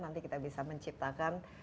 nanti kita bisa menciptakan